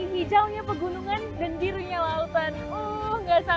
hijau nya pegunungan dan biru nya lautan